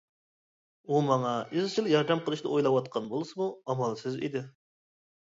ئۇ ماڭا ئىزچىل ياردەم قىلىشنى ئويلاۋاتقان بولسىمۇ، ئامالسىز ئىدى.